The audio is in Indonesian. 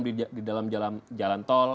di dalam jalan tol